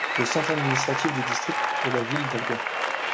Le centre administratif du district est la ville d'Alga.